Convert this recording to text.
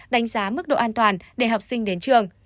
đánh giá mức độ an toàn để học sinh đến trường